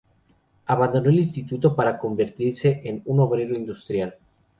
Abandonó el instituto para convertirse en un obrero industrial.